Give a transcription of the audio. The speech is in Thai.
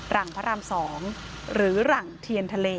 ราระม๒หรือเหร่างเทียนทะเล